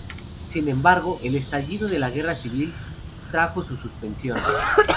Sin embargo, el estallido de la Guerra Civil trajo su suspensión.